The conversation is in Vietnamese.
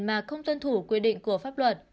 mà không tuân thủ quy định của pháp luật